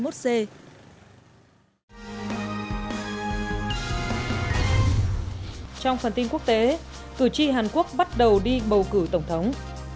trong phần tin quốc tế cử tri hàn quốc bắt đầu đi bầu cử tổng thống